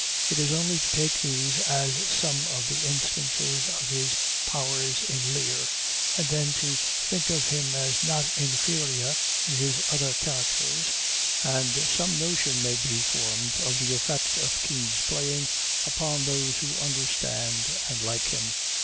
It is only to take these as some of the instances of his powers in Lear, and then to think of him as not inferior in his other characters, and some notion may be formed of the effect of Kean's playing upon those who understand and like him.